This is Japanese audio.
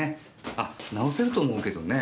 あ直せると思うけどね。